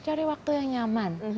cari waktu yang nyaman